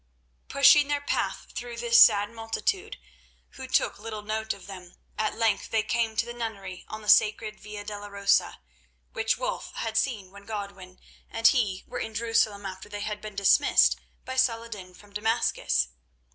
Pushing their path through this sad multitude, who took little note of them, at length they came to the nunnery on the sacred Via Dolorosa, which Wulf had seen when Godwin and he were in Jerusalem after they had been dismissed by Saladin from Damascus.